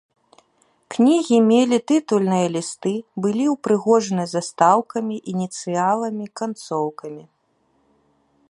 Кнігі мелі тытульныя лісты, былі ўпрыгожаны застаўкамі, ініцыяламі, канцоўкамі.